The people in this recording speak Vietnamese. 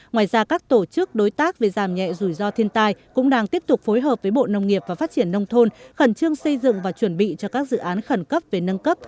ngoài ra các tổ chức đối tác về giảm nhẹ rủi ro thiên tai cũng đang tiếp tục phối hợp với bộ nông nghiệp và phát triển nông thôn khẩn trương xây dựng và chuẩn bị cho các dự án khẩn cấp về nâng cấp